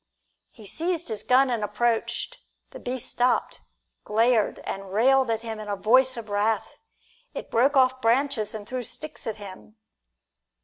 He seized his gun and approached; the beast stopped, glared, and railed at him in a voice of wrath. It broke off branches and threw sticks at him.